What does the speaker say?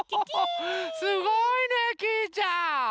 すごいねきいちゃん！